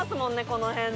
この辺ね。